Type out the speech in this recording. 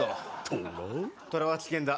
トラは危険だ。